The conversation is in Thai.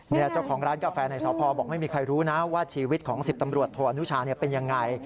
เจ้าของร้านกาแฟในสพบอกไม่มีใครรู้นะว่าชีวิตของ๑๐ตำรวจโทอนุชาเป็นยังไง